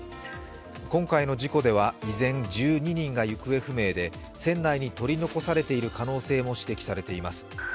今回の事故では依然、１２人が行方不明で船内に取り残されている可能性も指摘されています。